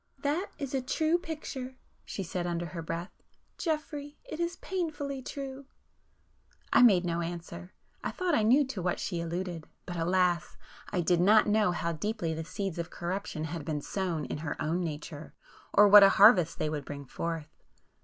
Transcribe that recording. "That is a true picture!" she said under her breath—"Geoffrey, it is painfully true!" I made no answer,—I thought I knew to what she alluded; but alas!—I did not know how deeply the 'seeds of corruption' had been sown in her own nature, or what a harvest they would bring forth.